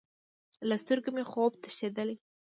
له سترګو مې خوب تښتیدلی